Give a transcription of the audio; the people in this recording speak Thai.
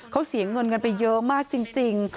เขาเสียเงินกันไปเยอะมากจริง